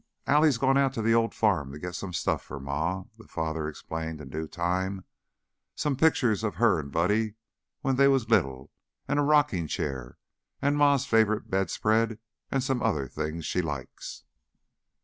"Allie's gone out to the old farm to get some stuff for Ma," the father explained in due time. "Some pitchers of her an' Buddy when they was little, an' a rockin' chair, an' Ma's favorite bedspread, an' some other things she likes."